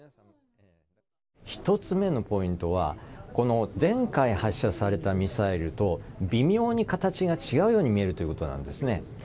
１つ目のポイントは前回発射されたミサイルと微妙に形が違うように見えるということです。